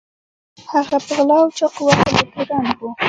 هغه په غلا او چاقو وهلو تورن و.